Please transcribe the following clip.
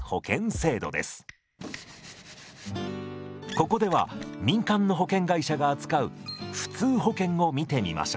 ここでは民間の保険会社が扱う普通保険を見てみましょう。